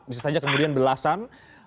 bisa saja kemudian belasan